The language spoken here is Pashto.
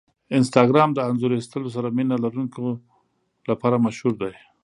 انسټاګرام د انځور ایستلو سره مینه لرونکو لپاره مشهور دی.